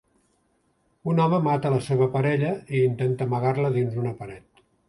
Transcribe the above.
Un home mata la seva parella i intenta amagar-la dins una paret.